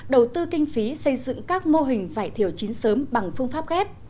đầu tư kinh phí xây dựng các mô hình vải thiều chín sớm bằng phương pháp ghép